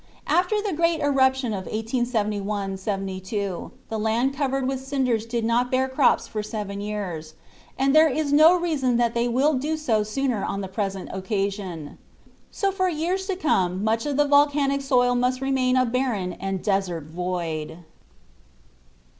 After the great eruption of 1871 72 the land covered with cinders did not bear crops for seven years, and there is no reason that they will do so sooner on the present occasion. So for years to come much of the volcanic soil must remain a barren and desert void.